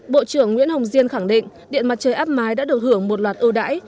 bộ trưởng nguyễn hồng diên khẳng định điện mặt trời áp mái đã được hưởng một loạt ưu đãi